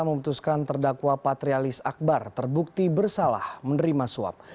memutuskan terdakwa patrialis akbar terbukti bersalah menerima suap